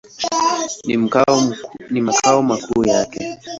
Ni makao makuu yake.